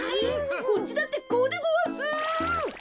こっちだってこうでごわす。